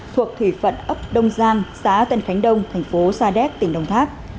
thuộc thủy phận ấp đông giang xã tân khánh đông thành phố sa đéc tỉnh đồng tháp